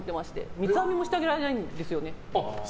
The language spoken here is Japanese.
三つ編みもしてあげられないんですよね。